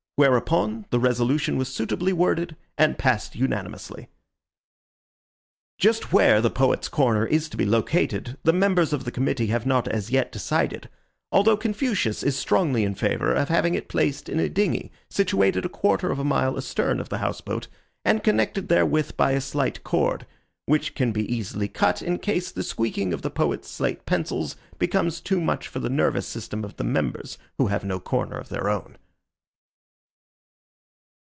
Whereupon the resolution was suitably worded, and passed unanimously. Just where the Poets' Corner is to be located the members of the committee have not as yet decided, although Confucius is strongly in favor of having it placed in a dingy situated a quarter of a mile astern of the house boat, and connected therewith by a slight cord, which can be easily cut in case the squeaking of the poets' slate pencils becomes too much for the nervous system of the members who have no corner of their own.